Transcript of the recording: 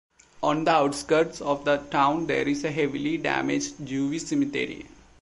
On the outskirts of the town there is a heavily damaged Jewish cemetery.